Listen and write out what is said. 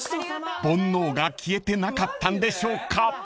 ［煩悩が消えてなかったんでしょうか］